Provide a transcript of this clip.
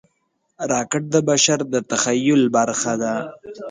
راکټ د بشر د تخیل برخه وه